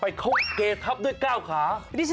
เพื่อนเอาของมาฝากเหรอคะเพื่อนมาดูลูกหมาไงหาถึงบ้านเลยแหละครับ